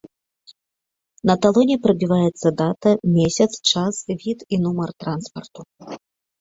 На талоне прабіваецца дата, месяц, час, від і нумар транспарту.